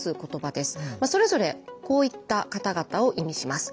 それぞれこういった方々を意味します。